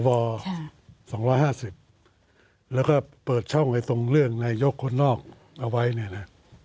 สหวใช่สองร้อยห้าสิบแล้วก็เปิดช่องไว้ตรงเรื่องในยกคนนอกเอาไว้เนี่ยนะ